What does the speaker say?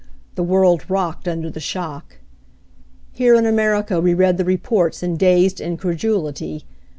The world rocked under the shock. Here in America we read the reports in dazed incredulity.